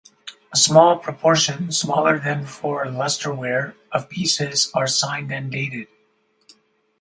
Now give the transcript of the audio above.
A small proportion (smaller than for lustreware) of pieces are signed and dated.